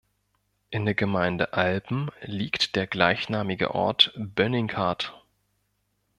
In der Gemeinde Alpen liegt der gleichnamige Ort Bönninghardt.